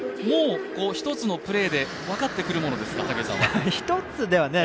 もう一つのプレーで分かってくるものですか、武井さんは。